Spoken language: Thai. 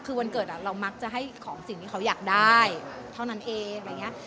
คือวันเกิดอ่ะเรามักจะให้ของสิ่งที่เขาอยากได้เท่านั้นเอง